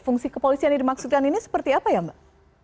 fungsi kepolisian yang dimaksudkan ini seperti apa ya mbak